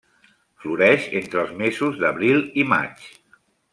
Floreix entre els mesos d'abril i maig.